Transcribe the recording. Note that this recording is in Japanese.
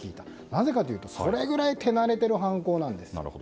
なぜかというと、それくらい手慣れている犯行なんです。